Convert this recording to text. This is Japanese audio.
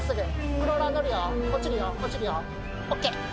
クローラー上がるよ、落ちるよ、落ちるよ、ＯＫ。